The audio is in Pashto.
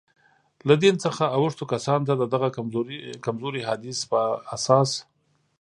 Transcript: له دین څخه اوښتو کسانو ته، د دغه کمزوري حدیث په اساس.